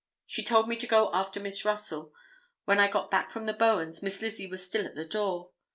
She told me to go after Miss Russell. When I got back from the Bowens, Miss Lizzie was still at the door.